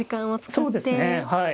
そうですねはい。